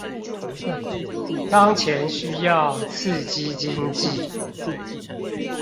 當前需要刺激經濟